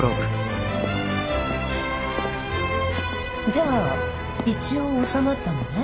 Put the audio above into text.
じゃあ一応収まったのね。